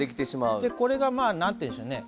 でこれがまあ何て言うんでしょうね。